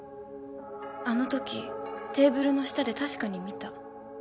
あの時テーブルの下で確かに見た。